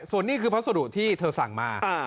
ส่วนนี้คือพัสดุที่เธอสั่งมา